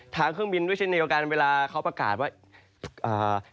เครื่องบินด้วยเช่นเดียวกันเวลาเขาประกาศว่าอ่า